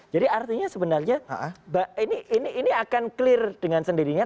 jadi artinya sebenarnya ini akan clear dengan sendirinya